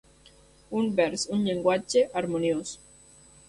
Un vers, un llenguatge, harmoniós.